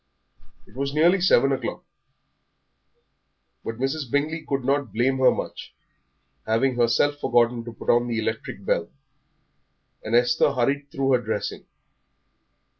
It was nearly seven o'clock. But Mrs. Bingley could not blame her much, having herself forgotten to put on the electric bell, and Esther hurried through her dressing.